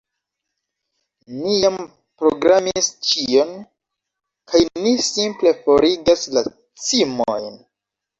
Ni jam programis ĉion kaj ni simple forigas la cimojn